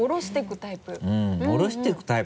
あっ下ろしていくタイプ。